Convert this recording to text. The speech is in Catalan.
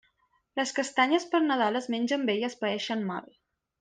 Les castanyes per Nadal es mengen bé i es paeixen mal.